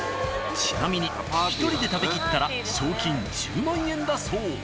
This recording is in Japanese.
ちなみに１人で食べきったら賞金１０万円だそう。